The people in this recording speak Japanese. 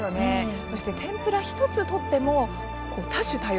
天ぷら１つとっても多種多様。